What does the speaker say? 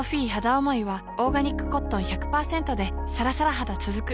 おもいはオーガニックコットン １００％ でさらさら肌つづく